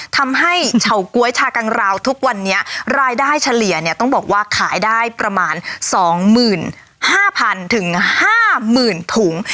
ทำให้เฉาก๊วยชากังราวทุกวันนี้รายได้เฉลี่ยเนี้ยต้องบอกว่าขายได้ประมาณสองมืนห้าพันถึงห้ามืนถุง